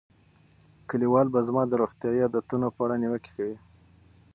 کلیوال به زما د روغتیايي عادتونو په اړه نیوکې کوي.